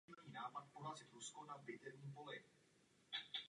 Nominován na sošku Akademie byl ještě dvakrát.